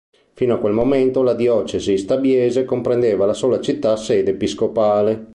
Fino a quel momento, la diocesi stabiese comprendeva la sola città sede episcopale.